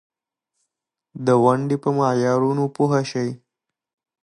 نویو اقتصادي فرصتونو په یوه حساسه مقطعه کې.